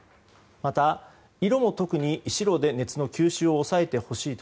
また色も、特に白で熱の吸収を抑えてほしい。